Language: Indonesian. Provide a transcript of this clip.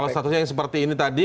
statusnya yang seperti ini tadi